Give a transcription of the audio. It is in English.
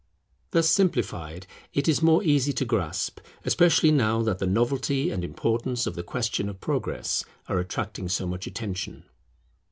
Thus simplified it is more easy to grasp, especially now that the novelty and importance of the question of Progress are attracting so much attention.